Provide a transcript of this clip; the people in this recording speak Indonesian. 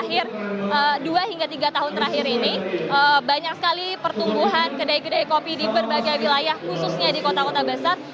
akhir dua hingga tiga tahun terakhir ini banyak sekali pertumbuhan kedai kedai kopi di berbagai wilayah khususnya di kota kota besar